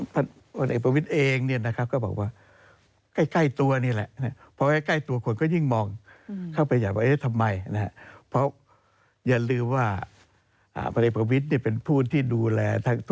พันธุ์วนเอกประวิทย์เองก็บอกว่า